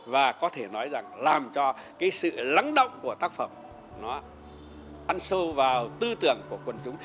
và có thể nói rằng làm cho cái sự lắng động của tác phẩm nó ăn sâu vào tư tưởng của quần chúng